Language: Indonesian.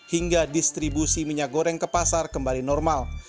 hingga distribusi minyak goreng ke pasar kembali normal